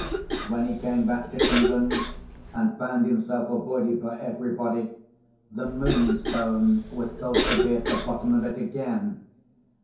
When he came back to England, and found himself avoided by everybody, the Moonstone was thought to be at the bottom of it again.